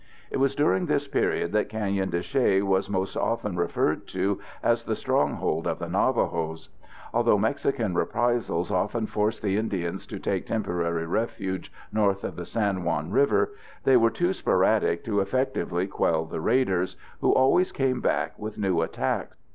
It was during this period that Canyon de Chelly was most often referred to as the stronghold of the Navajos. Although Mexican reprisals often forced the Indians to take temporary refuge north of the San Juan River, they were too sporadic to effectively quell the raiders, who always came back with new attacks.